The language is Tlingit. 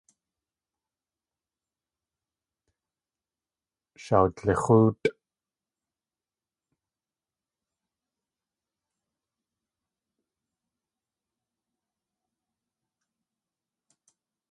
Shawdlix̲óotʼ.